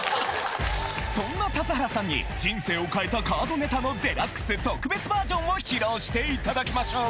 そんな田津原さんに人生を変えたカードネタの『ＤＸ』特別バージョンを披露して頂きましょう！